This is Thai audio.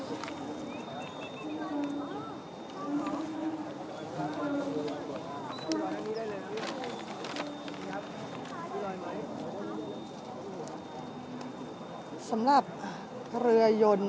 สวัสดีครับทุกคน